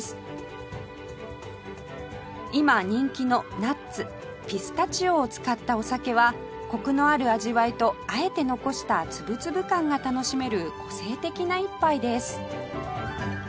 今人気のナッツピスタチオを使ったお酒はコクのある味わいとあえて残したつぶつぶ感が楽しめる個性的な一杯です